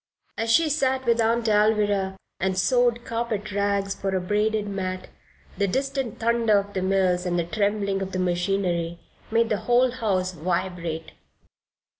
As she sat with Aunt Alvirah, and sewed carpet rags for a braided mat, the distant thunder of the mills and the trembling of the machinery made the whole house vibrate.